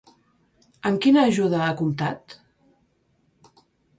Amb quina ajuda ha comptat?